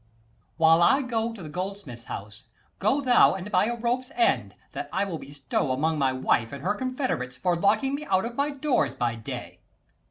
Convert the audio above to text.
Ant. E. While I go to the goldsmith's house, go thou 15 And buy a rope's end: that will I bestow Among my wife and her confederates, For locking me out of my doors by day.